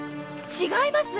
違います。